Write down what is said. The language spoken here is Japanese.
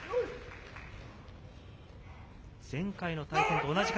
前回の対戦と同じ形。